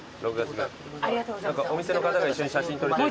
お店の方が一緒に写真撮りたい。